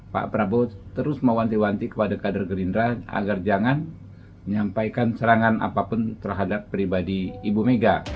pak prabowo terus mewanti wanti kepada kader gerindra agar jangan menyampaikan serangan apapun terhadap pribadi ibu mega